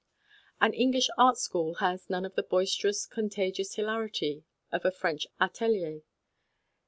An English art school has none of the boisterous, contagious hilarity of a French atelier.